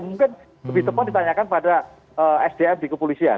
mungkin lebih tepat ditanyakan pada sdm di kepolisian